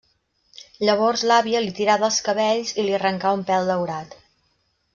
Llavors l'àvia li tira dels cabells i li arrenca un pèl daurat.